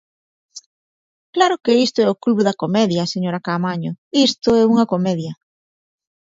Claro que isto é o Club da comedia, señora Caamaño; isto é unha comedia.